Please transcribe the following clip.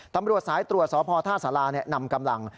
ตำรวจสายตัวสภธาศาลานำกำลัง